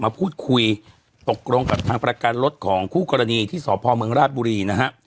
มาพูดคุยตกลงกับทางประกันรถของคู่กรณีที่สพเมืองราชบุรีนะฮะ